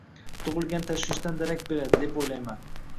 tug‘ilgan tashvishdan darak beradi, deb o‘ylayman.